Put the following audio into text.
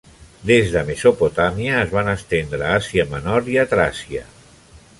Des de Mesopotàmia es van estendre a Àsia Menor i a Tràcia.